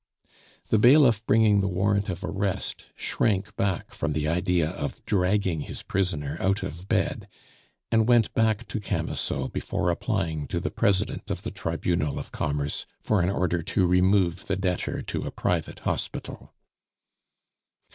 The bailiff bringing the warrant of arrest shrank back from the idea of dragging his prisoner out of bed, and went back to Camusot before applying to the President of the Tribunal of Commerce for an order to remove the debtor to a private hospital.